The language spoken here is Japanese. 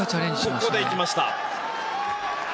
ここで行きました。